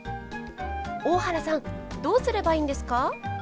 大原さんどうすればいいんですか？